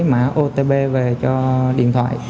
mã otp về cho điện thoại